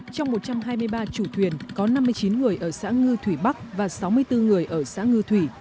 trong một trăm hai mươi ba chủ thuyền có năm mươi chín người ở xã ngư thủy bắc và sáu mươi bốn người ở xã ngư thủy